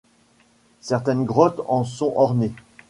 Certaines grottes en sont ornées.